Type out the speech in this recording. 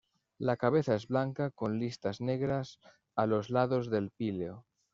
La cabeza es blanca con listas negras a los lados del píleo.